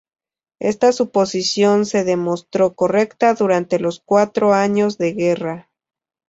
Esta suposición se demostró correcta durante los cuatro años de guerra.